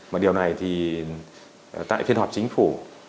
một điều này thì tại phiên họp chính phủ